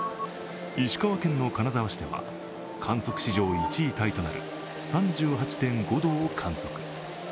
石川県の金沢市では、観測史上１位タイとなる３８．５度を観測。